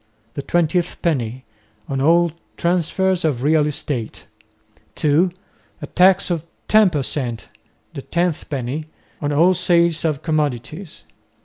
the "twentieth penny," on all transfers of real estate, (2) a tax of ten per cent., the "tenth penny," on all sales of commodities.